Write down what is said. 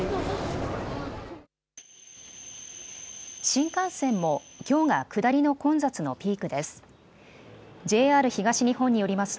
新幹線もきょうが下りの混雑のピークです。